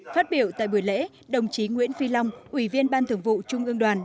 phát biểu tại buổi lễ đồng chí nguyễn phi long ủy viên ban thường vụ trung ương đoàn